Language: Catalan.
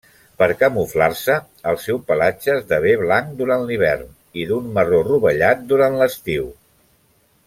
Per camuflar-se, el seu pelatge esdevé blanc durant l'hivern i d'un marró rovellat durant l'estiu.